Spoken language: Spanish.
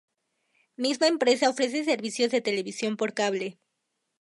Misma empresa ofrece servicios de televisión por cable.